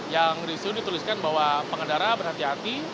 yang disini dituliskan bahwa pengendara berhati hati